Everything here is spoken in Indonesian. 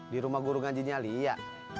di rumah guru gaji nya lia